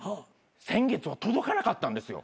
先月は届かなかったんですよ。